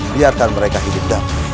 biarkan mereka hidup damai